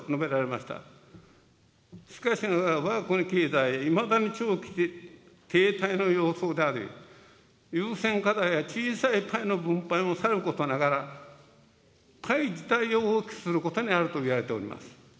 しかしながら、わが国経済、いまだに長期停滞の様相であり、優先課題は小さいパイの分配はさることながら、パイ自体を大きくすることにあるといわれております。